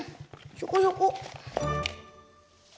ひょこひょこ。